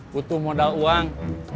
butuh modal uang